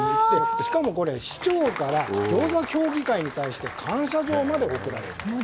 しかも、市長からぎょうざ協議会に対して感謝状まで贈られる。